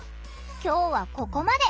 今日はここまで。